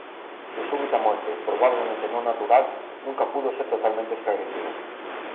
Su súbita muerte, probablemente no natural, nunca pudo ser totalmente esclarecida.